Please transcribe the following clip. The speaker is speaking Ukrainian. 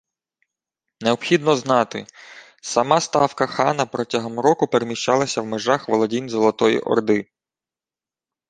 Необхідно знати – сама ставка хана протягом року переміщалася в межах володінь Золотої Орди